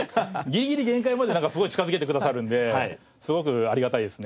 ギリギリ限界まですごい近づけてくださるんですごくありがたいですね。